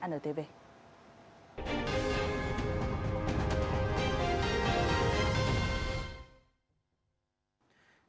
xin chào quý vị và các bạn